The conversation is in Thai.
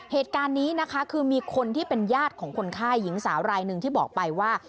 เหตุการณ์นี้นะคะคือมีคนที่เป็นญาติของคนไข้หญิงสาวรายหนึ่งที่บอกไปว่า